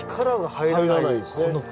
入らないですね。